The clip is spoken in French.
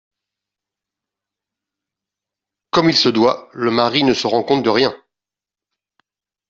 Comme il se doit, le mari ne se rend compte de rien.